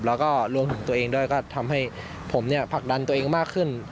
แล้วก็รวมถึงตัวเองด้วยก็ทำให้ผมผลักดันตัวเองมากขึ้น